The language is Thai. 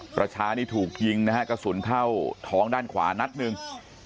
ประชานี่ถูกยิงนะฮะกระสุนเข้าท้องด้านขวานัดหนึ่ง